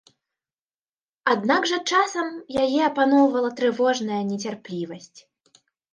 Аднак жа часамі яе апаноўвала трывожная нецярплівасць.